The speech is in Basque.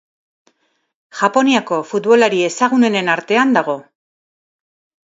Japoniako futbolari ezagunenen artean dago.